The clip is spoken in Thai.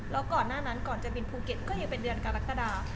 แล้วก่อนหน้านั้นก่อนจะบินภูเก็ตก็ยังเป็นเดือนกรกฎา